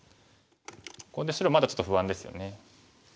ここで白まだちょっと不安ですよね。